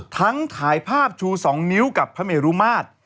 ทั้งถ่ายภาพชู๒นิ้วกับพระเมรุมาตร